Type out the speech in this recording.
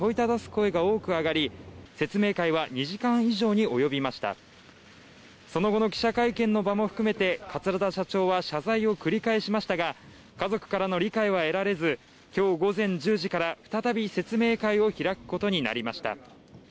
声が多く上がり説明会は２時間以上に及びましたその後の記者会見の場も含めて桂田社長は謝罪を繰り返しましたが家族からの理解は得られずきょう午前１０時から再び説明会を開くことになりました